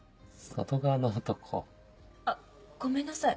あっごめんなさい。